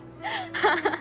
あハハハ。